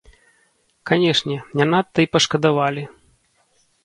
Канешне, не надта і пашкадавалі.